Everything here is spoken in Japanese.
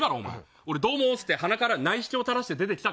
俺、どうも！って鼻から内視鏡垂らして出てきたか？